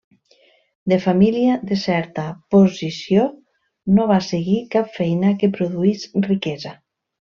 De família de certa posició, no va seguir cap feina que produís riquesa.